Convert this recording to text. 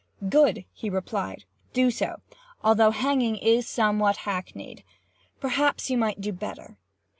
"Good!" he replied, "do so;—although hanging is somewhat hacknied. Perhaps you might do better.